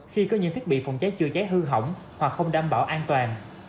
khi có những thiết bị phòng cháy chữa cháy hư hỏng hoặc không đảm bảo an toàn